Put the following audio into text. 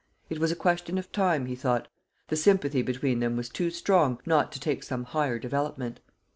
It was a question of time, he thought; the sympathy between them was too strong not to take some higher development.